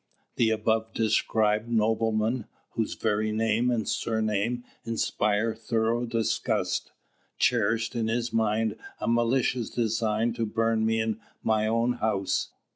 The above described nobleman, whose very name and surname inspire thorough disgust, cherishes in his mind a malicious design to burn me in my own house.